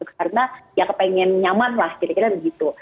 karena ya kepengen nyaman lah kira kira begitu